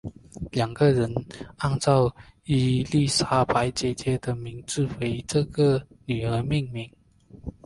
两人按照伊丽莎白姐姐的名字为这个女儿命名为。